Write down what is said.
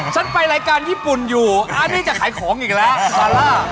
ฉันไปรายการญี่ปุ่นอยู่อันนี้จะขายของอีกแล้วซาร่า